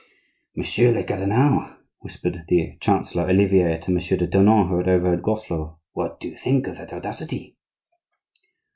"Monsieur le cardinal," whispered the Chancellor Olivier to Monsieur de Tournon, who had overheard Groslot, "what do you think of that audacity?"